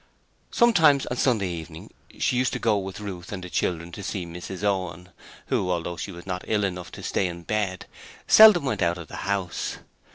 Sometimes on Sunday evening she used to go with Ruth and the children to see Mrs Owen, who, although she was not ill enough to stay in bed, seldom went out of the house.